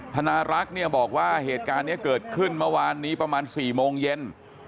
ธนารักษ์เนี่ยบอกว่าเหตุการณ์นี้เกิดขึ้นเมื่อวานนี้ประมาณ๔โมงเย็น